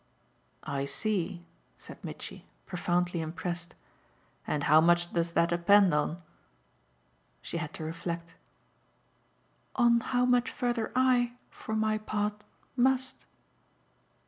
"I see," said Mitchy, profoundly impressed. "And how much does that depend on?" She had to reflect. "On how much further I, for my part, MUST!"